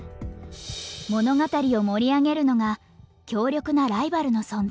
物語を盛り上げるのが強力なライバルの存在。